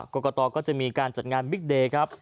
กรกตก็จะมีการจัดงานบิ๊กเดย์ครับ